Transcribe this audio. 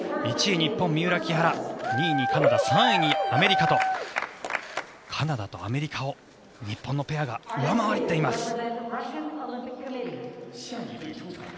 １位、日本三浦・木原２位にカナダ、３位にアメリカとカナダとアメリカを日本のペアが上回っています。